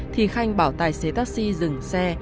thì khanh bảo tài xế taxi dừng xe